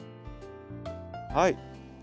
はい。